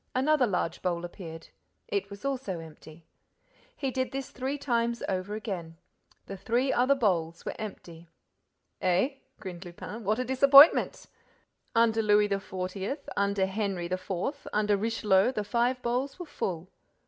Another large bowl appeared. It was also empty. He did this three times over again. The three other bowls were empty. "Eh," grinned Lupin. "What a disappointment! Under Louis XI., under Henry IV., under Richelieu, the five bowls were full.